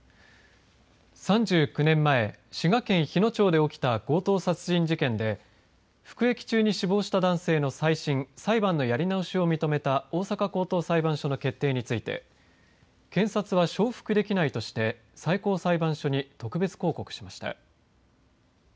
３９年前、滋賀県日野町で起きた強盗殺人事件で服役中に死亡した男性の再審裁判のやり直しを認めた大阪高等裁判所の決定について検察は承服できないとして最高裁判所に特別抗告しました。